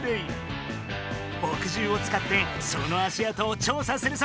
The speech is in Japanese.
ぼくじゅうをつかってその足あとを調査するぞ！